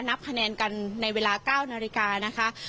นับคะแนนกันในเวลา๙นาฬิกานะคะ